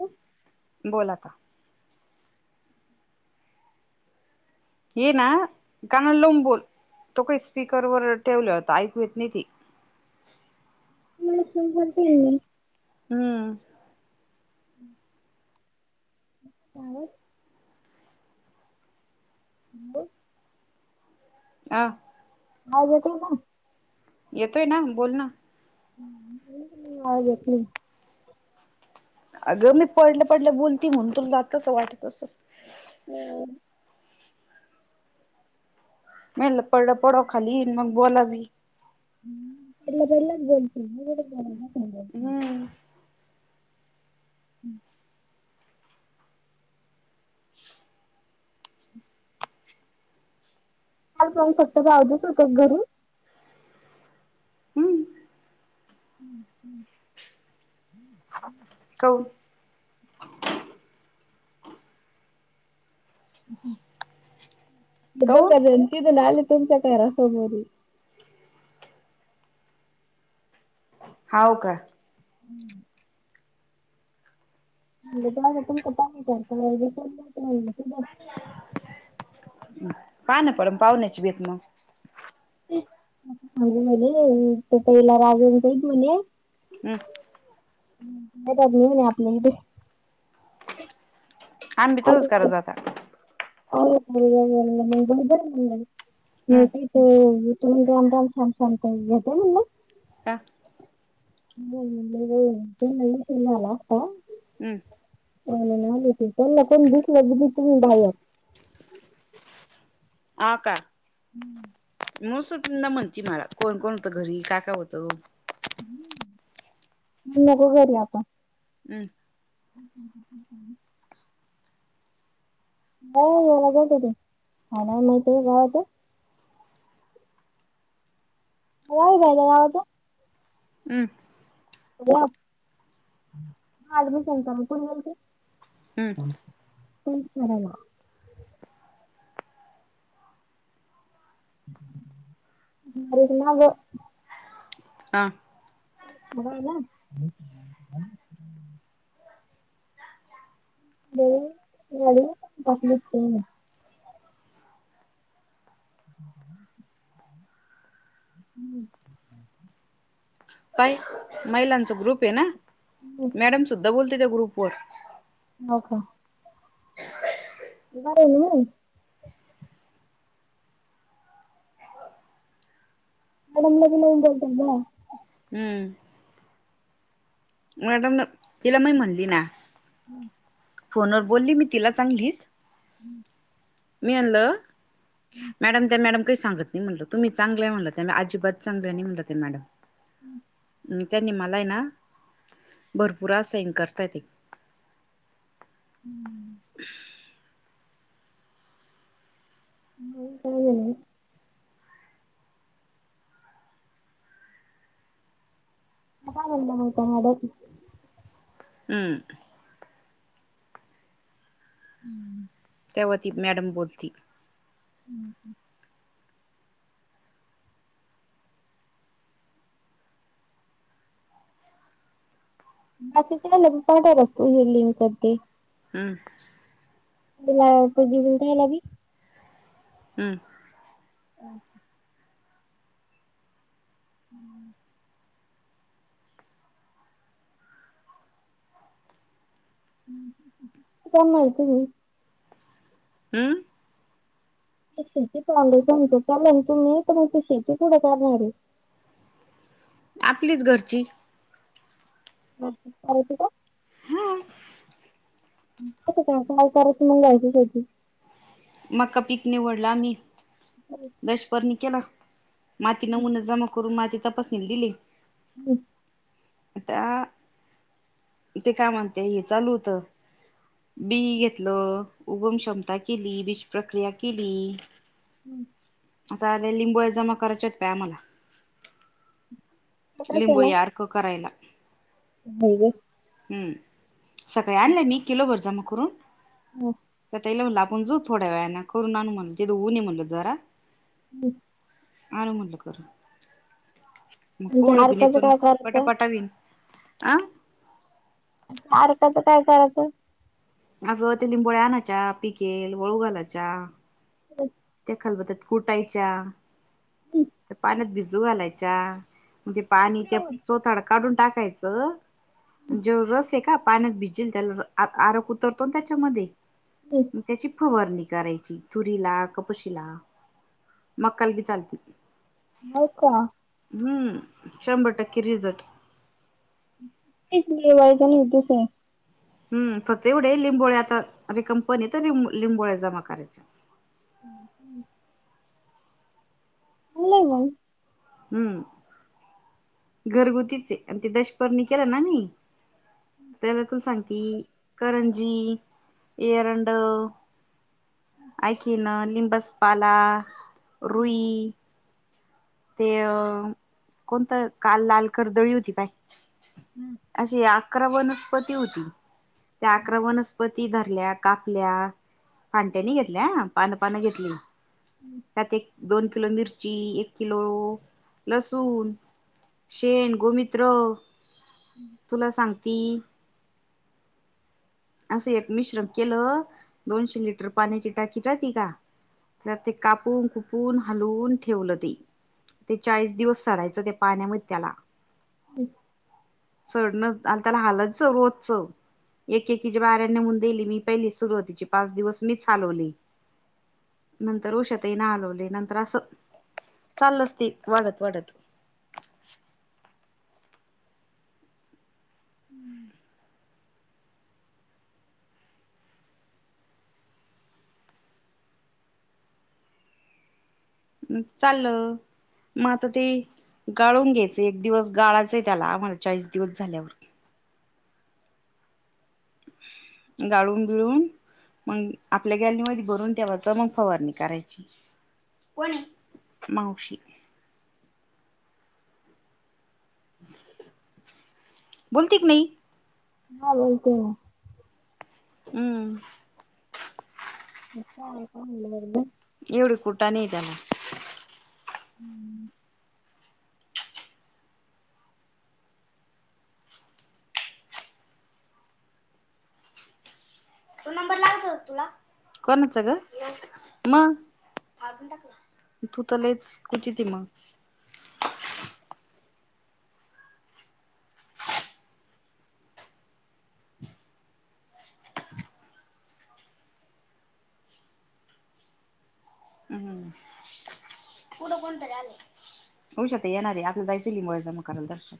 हो. बोला‌ आता ये ना कानाला लावून बोल तो काही स्पीकर वर ठेवला ऐकू येत नाही ते [unintelligible] हम्म त्यावर बोल आ. आ जेत ना. येतोय ना बोल ना. ह् आत अगं मी पडलं पडलं बोलती म्हणून तुला जातसं वाटत असेल हो. मी म्हनल पडड पड खाली मग बोलावी. तला पहिलाच बोल. हम्म. हम्म शुक कालही फक्त जावतच होत घरी हम्म हम हम् हो हम्म. [unintelligible] बरं काऊन झालं तिडून आले तुमच्या घरासमोरील हाव का हम्म जा त पा चार का कोण माहिती झालं पा ना पडण पाहुण्याची बेत मग ांग झाले त पला रावून जाही म्हणे हम्म म तरली होणे आपने ते आम्बी तसच करत होा हो ब ब हम्म होकी त तुम्ही [unintelligible] कॅमरा सॅमसंग ते येत म्हणलं. [unintelligible] ह [unintelligible] हो नाहीस झालाता [unintelligible] हम्म. अ नाही चला कोण दिकलं तु जाऊत [unintelligible] ह का. हम्म [unintelligible] मू त म्हणती मला कोण कोण होतं घरी काय काय होतं. मण नको कररी आपण. हम्. ह ह ह [unintelligible] ह याला गते काा ना माहिती आहे गत [unintelligible] या आहे ना यात. हम्. ह ऍडमिशन कर म कोण बलते. हम्म. पराला [unintelligible] र ना ग [unintelligible] हा. म्ह ना. म घर बाकली. ह [unintelligible] हम्म [unintelligible] पाय महिलांचा ग्रुप आहे ना. मॅडम सुद्धा बोलते. गरुपर [unintelligible] हो का. बाय. मॅडम लगनऊन बोलत का. हमंम. मॅडमन तिला मही म्हणली ना. हम्म [unintelligible] फोनवर बोलली मी तिला चांगलीच. हम्म [unintelligible] मीलं [unintelligible] मॅडम ते मॅडम. काही सांगत नाही, म्हट तुम्ही चांगलंय म्हणलं, त्या अजिबात चांलंय नाही, म्हणलं त्या मॅडम. हम्म [unintelligible] त्या नि म्हाला आहे ना. भरपूरा सैन करता येत. मग हो का [unintelligible] हराला हो का हडत [unintelligible] हम्म. हम्म [unintelligible] होती मॅडम बोलती. हम्म ह बाकी लं पांटा रखू हेली मी करते हमं लाप दिला भी हम्म ओके हम्म काय माहीती ये अ शेती चांगली पण तु मी तर शेती कुठे करणार ये आपलीच घरची ह का होती का काय हल करच म घायच्यासाठी मका पिक निवडला मी देश परनी केला माती नमुना जमा करून माजीत तपासणी दिली हम् त्या ते काय म्हणते, हे चालू होत बि घेतलं उगम क्षमता केली. प्रक्रिया केली. हम् आता लिंबू्या जमा करायच्यात का आम्हाला, हम् [unintelligible] लिंबू यार्क करायला. नाही ग हम सकाळे आणले मी किलो भर जा मग करुन [unintelligible] हो तिला म्हणलं आपण जाऊ थोड्या वेळाने करून आणू म्हणलं तिथे उन आहे म्हणलं जरा हम् आ मुणलं कर मग आणि त्या पोर पन अर्काचं येतो ना काय पट करायचं? पटावीन आ सारखच काय करायचं अगं ते लिंबोळया आणनाच्या पिकेल वाळू घालायच्या होच् खलबतात कुटायच्या ते पाण्यातत बीस जू घालायच्या म्हणजे पाणी त्या हम्म. चोथाड काढून टाकायचं जे रस आहे का पाण्यात भिजेल त्याला आरख उतरतो ना त्याच्यामध्ये हम्म. म त्याची खबरणी [unintelligible] करायची तुरी ला क खशला मकल भी चालती नकवा [unintelligible] हम्म शंभर टक्के रिझर्ट ली वाारी तर नाही तस आहे [unintelligible] हम् फक्त एवढ्या लिंबोळे आता रिकमपनी तरं लिंबोळ्या जमा करायच्या हम् हम् बला म हम्म घरगुतीचे आणि ते देशपर्णी केला ना म त्याला तुला सांगती करंजी येरंड ऐकिन लिंबसपाला रुई ते अ कोणतं काल लाल कर्दळी होती काय हं. अशी अकरा वनस्पती होती. त्या हं. आक्र वनस्पती ती धरल्या कापल्या पांट्यानी घेतल्या पानं पानं घेतली [unintelligible] दोन किलो मिरची एक किलो लसूण शेण गोमित्र तुला सांग ती असं एक मिश्रम केलं दोनशे लिटर पाण्याची टाकी राह त का त्या ते कापून कुपून हालून ठेवलं ते ते चाळीस दिवस सरायचं ते पाण्यामध्ये त्याला हम् चडण आणि त्याला हालायचं रोजच एक एके ज बाहेऱ नेऊन देली मी पहिली सुरुवातीची पाच दिवस मीच हलवले नंतर उषाताई न हलवले नंतर असं चाललच ते वाढत वाढत हम्म चालल मग आता ते गाळून घ्यायचंय एक दिवस गाळायचंय त्याला मला चाळीस दिवस झाल्यावर गाळून बिळून मग आपल्या गॅलीमध्ये भरून ठेवाचं मग फवारणी करायची मावशी बोलती की नाही हा बोलते. हम्म [unintelligible] एवढे कुठा नाही त्याला हम्म तु कोणाच ग मग तू तलाच कुचीती म हम्म होऊशत येणारे आपला जायचे लिंबूजमा करायला दर्शक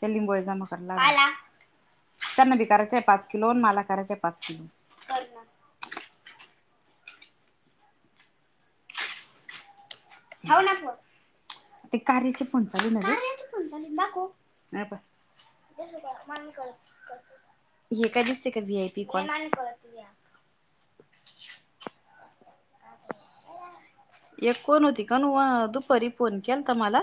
त्या लिंबू अजमा करायला त्यांना बी करायच आहे पाच किलो मला करायचा आहे पाच किलो त [unintelligible] काण दुपारी फोन केल तर मला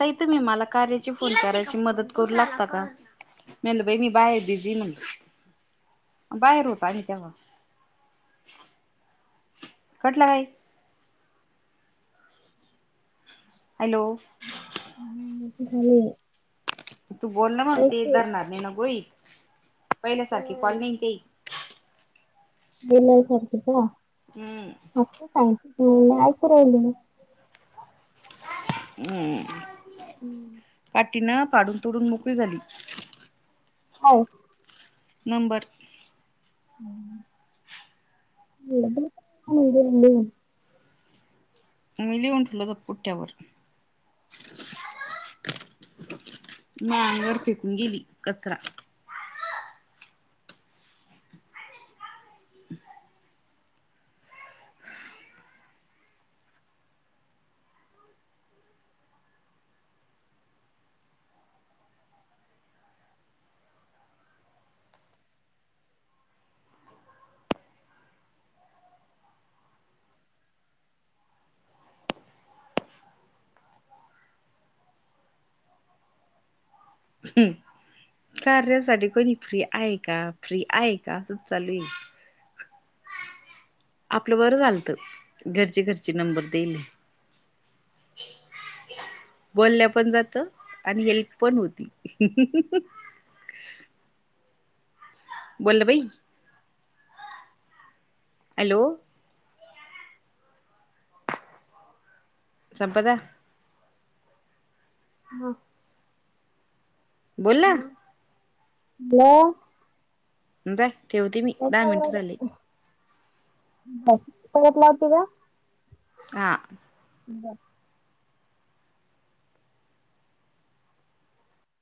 त इ त मही मला कयची फोन करायची मदत करू लागता का म्हल बाई मी बाहेर बिझी म्ह बाहेर होत म तेव्हा कटलं काई हॅलो म झाले आहे तू बोल ना मग ते रणार नाही ना गोळीत पहिल्यासारखे अं, कॉल नाही ते [unintelligible] हम्म हम् नाहीयपराहिल हम्म हम्म तीन पाडून तोडून मोकळी झाली हो नंबर [unintelligible] मी लिहून ठेवलेलं पुटठ्यावर माग फेकून गेली कचरा ह [inaudible] साडी फ्री हाय का साडी फ्री हाय का हे चालू आहे आपलं बर झालत घरचे घरचे नंबर देल बोलल्या पण जात आणि हेल्प पण होती बोल बाई हॅलो बघा हो बोला हॅलो हं जा ठेवते मी दहा मिनट झाले बटला होती का हा बर